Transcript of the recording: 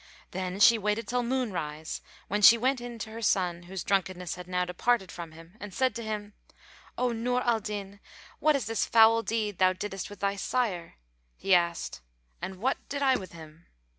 Then she waited till moon rise, when she went in to her son, whose drunkenness had now departed from him, and said to him, "O Nur al Din, what is this foul deed thou diddest with thy sire?" He asked, "And what did I with him?"